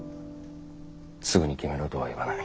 すぐに決めろとは言わない。